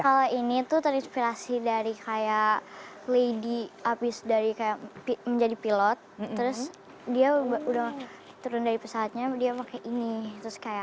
kalau ini tuh terinspirasi dari kayak lady abis dari kayak menjadi pilot terus dia udah turun dari pesawatnya dia pakai ini terus kayak